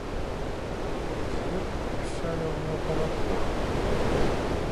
Дзе ўся яго апаратура?